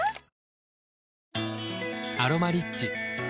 「アロマリッチ」